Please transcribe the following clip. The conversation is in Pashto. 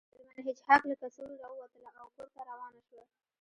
میرمن هیج هاګ له کڅوړې راووتله او کور ته روانه شوه